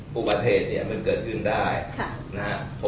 ภูมิประเทศเนี่ยมันเกิดขึ้นได้ค่ะน่ะฮะ